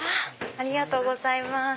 ありがとうございます。